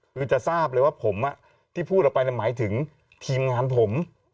คือจะทราบเลยว่าผมที่พูดออกไปหมายถึงทีมงานผม